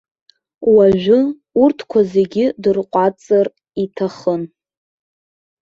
Уажәы урҭқәа зегьы дырҟәаҵыр иҭахын.